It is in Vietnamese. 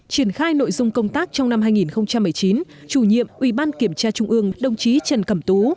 triển khai nội dung công tác trong năm hai nghìn một mươi chín chủ nhiệm ủy ban kiểm tra trung ương đồng chí trần cẩm tú